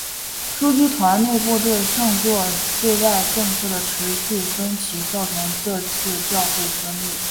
枢机团内部对圣座对外政策的持续分歧造成这次教会分裂。